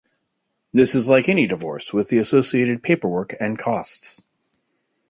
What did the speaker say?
This is like any divorce with the associated paperwork and costs.